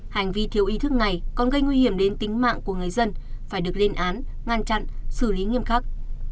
hành vi thiếu ý thức này còn gây nguy hiểm đến tính mạng của người dân phải được lên án ngăn chặn xử lý nghiêm khắc